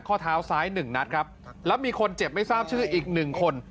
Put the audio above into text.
ข้อเท้าซ้ายหนึ่งนัดครับแล้วมีคนเจ็บไม่ทราบชื่ออีกหนึ่งคน